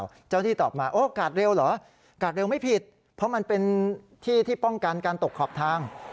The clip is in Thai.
เจ้าหน้าที่ตอบมาโอ้กาดเร็วเหรอกาดเร็วไม่ผิดเพราะมันเป็นที่ที่ป้องกันการตกขอบทาง